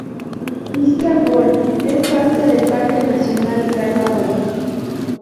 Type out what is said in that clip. Isla Wolf es parte del Parque nacional Galápagos.